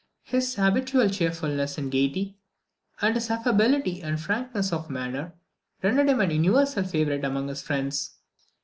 His habitual cheerfulness and gaiety, and his affability and frankness of manner, rendered him an universal favourite among his friends.